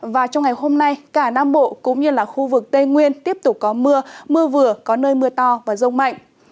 và trong ngày hôm nay cả nam bộ cũng như là khu vực tây nguyên tiếp tục có mưa mưa vừa có nơi mưa to và rông mạnh